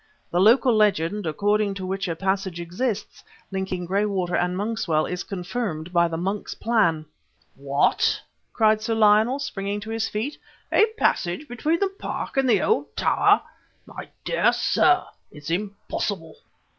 The local legend, according to which a passage exists, linking Graywater and Monkswell, is confirmed by the monk's plan." "What?" cried Sir Lionel, springing to his feet "a passage between the Park and the old tower! My dear sir, it's impossible!